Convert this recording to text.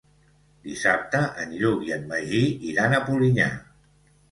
Dissabte en Lluc i en Magí iran a Polinyà.